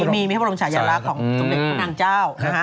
มีพระพระรมชายราคต์ของทุกผู้เด็กนางเจ้า